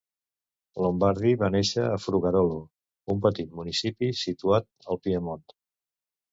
Lombardi va néixer a Frugarolo, un petit municipi situat al Piemont.